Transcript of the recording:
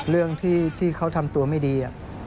เรื่องที่เขาทำตัวไม่ดี